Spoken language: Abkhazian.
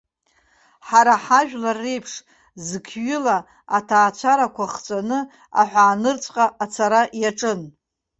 Ҳара ҳажәлар реиԥш, зқьҩыла аҭаацәарақәа хҵәаны аҳәаанырцәҟа ацара иаҿын.